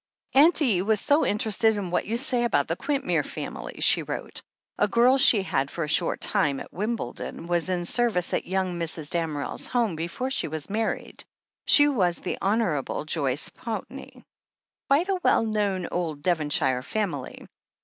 "Aunt E. was so mterested in what you say about the Quintmere family," she wrote. "A girl she had for a short time at Wimbledon was in service at young Mrs. Damerel's home before she was married. She was the Honourable Joyce Pountney, quite a well known old Devonshire family.